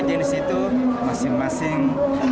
jenis itu masing masing